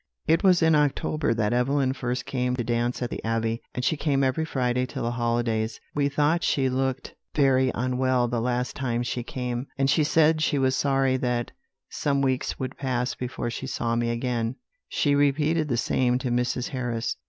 "It was in October that Evelyn first came to dance at the Abbey, and she came every Friday till the holidays. We thought she looked very unwell the last time she came; and she said she was sorry that some weeks would pass before she saw me again; she repeated the same to Mrs. Harris.